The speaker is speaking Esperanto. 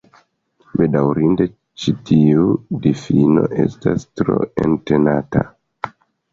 Bedaŭrinde, ĉi tiu difino estas tro entenanta.